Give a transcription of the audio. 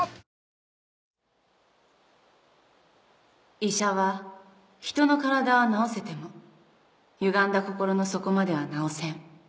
「医者は人の体はなおせてもゆがんだ心の底まではなおせん」